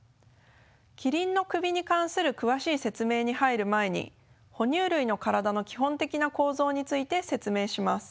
キリンの首に関する詳しい説明に入る前に哺乳類の体の基本的な構造について説明します。